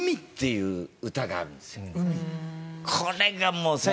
これがもうさ。